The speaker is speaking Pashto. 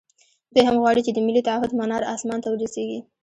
دوی هم غواړي چې د ملي تعهُد منار اسمان ته ورسېږي.